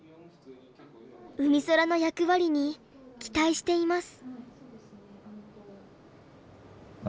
うみそらの役割に期待しています。